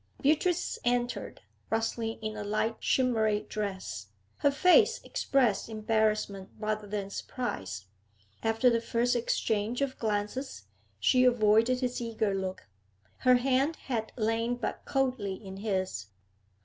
Beatrice entered, rustling in a light, shimmery dress. Her face expressed embarrassment rather than surprise; after the first exchange of glances, she avoided his eager look. Her hand had lain but coldly in his.